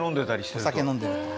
お酒飲んでると。